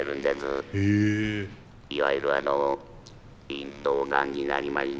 いわゆるあの咽頭ガンになりまして」。